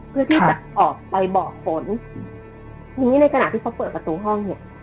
เพื่อที่จะออกไปบอกฝนทีนี้ในขณะที่เขาเปิดประตูห้องเนี่ย